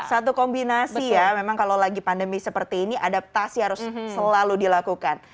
satu kombinasi ya memang kalau lagi pandemi seperti ini adaptasi harus selalu dilakukan